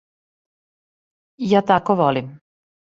Ја тако волим.